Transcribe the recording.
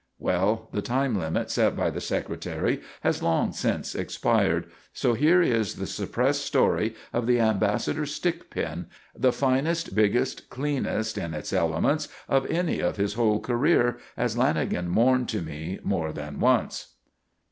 Well, the time limit set by the Secretary has long since expired, so here is the suppressed story of the Ambassador's Stick Pin, the finest, biggest, cleanest in its elements of any of his whole career, as Lanagan mourned to me more than once.